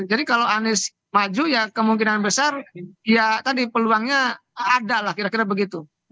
jadi kalau anies maju ya kemungkinan besar ya tadi peluangnya ada lah kira kira begitu